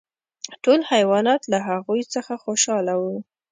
ټول حیوانات له هغوی څخه خوشحاله وو.